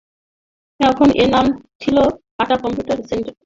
তখন এর নাম ছিল টাটা কম্পিউটার সেন্টার।